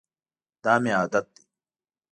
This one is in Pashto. دا مي عادت دی .